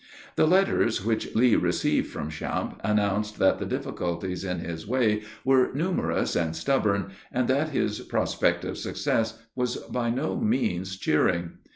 The letters which Lee received from Champe, announced that the difficulties in his way were numerous and stubborn, and that his prospect of success was by no means cheering.